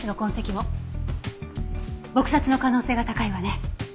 撲殺の可能性が高いわね。